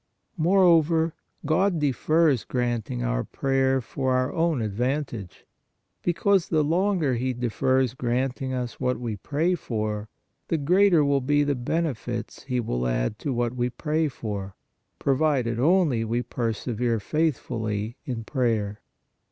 Moreover, God defers granting our prayer for our own advantage, because the longer He defers granting us what we pray for, the greater will be the benefits He will add to what we pray for, pro vided only we persevere faithfully in prayer.